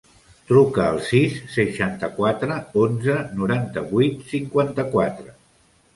Truca al sis, seixanta-quatre, onze, noranta-vuit, cinquanta-quatre.